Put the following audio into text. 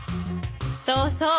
そうそう。